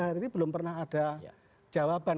hari ini belum pernah ada jawaban